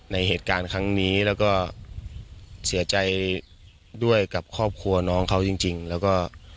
ในเหตุการณ์ครั้งนี้แล้วก็เสียใจด้วยกับครอบครัวน้องเขาจริงแล้วก็